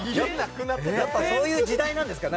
やっぱりそういう時代なんですかね。